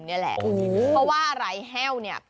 นี่แหละเพราะว่าอะไรแห้วเนี่ย